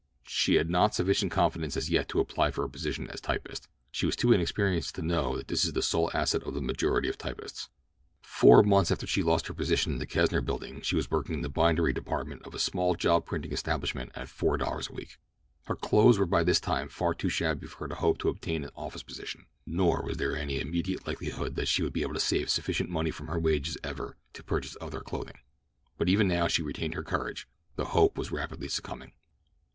She had not sufficient confidence as yet to apply for a position as typist—she was too inexperienced to know that this is the sole asset of the majority of typists. Four months after she lost her position in the Kesner Building she was working in the bindery department of a small job printing establishment at four dollars a week. Her clothes were by this time far too shabby for her to hope to obtain an office position; nor was there any immediate likelihood that she would be able to save sufficient money from her wages ever to purchase other clothing. But even now she retained her courage, though hope was rapidly succumbing.